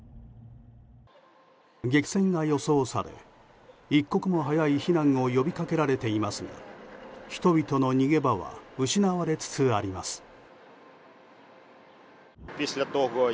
激戦が予想され一刻も早い避難を呼びかけられていますが人々の逃げ場は失われつつあります。